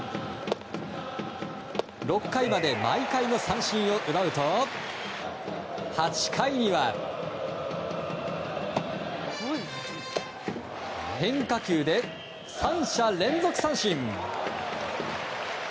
６回まで毎回の三振を奪うと８回には変化球で３者連続三振！